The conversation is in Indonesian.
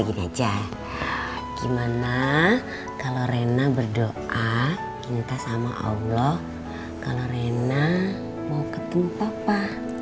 ya udah gini aja gimana kalau rena berdoa kita sama allah kalau rena mau ketemu papa